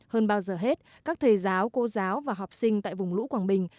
hơn bao giờ hết các thầy giáo cô giáo và học sinh tại vùng lũ quảng bình